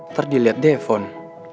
ntar dilihat deh phone